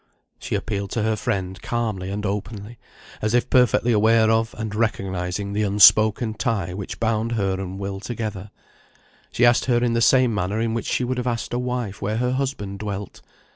She appealed to her friend calmly and openly, as if perfectly aware of, and recognising the unspoken tie which bound her and Will together; she asked her in the same manner in which she would have asked a wife where her husband dwelt.